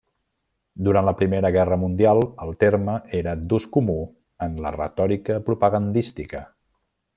Durant la Primera Guerra Mundial, el terme era d'ús comú en la retòrica propagandística.